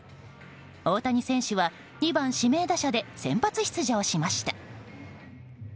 大谷選手は２番指名打者で先発出場しました。